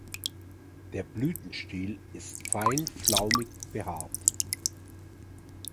Der Blütenstiel ist fein flaumig behaart.